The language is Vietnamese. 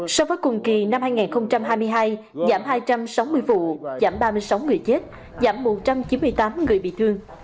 so với cùng kỳ năm hai nghìn hai mươi hai giảm hai trăm sáu mươi vụ giảm ba mươi sáu người chết giảm một trăm chín mươi tám người bị thương